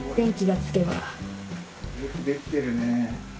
よく出来てるね。